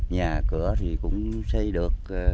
nhà cửa cũng xây được